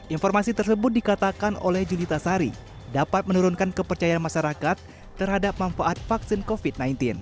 informasi tersebut dikatakan oleh julita sari dapat menurunkan kepercayaan masyarakat terhadap manfaat vaksin covid sembilan belas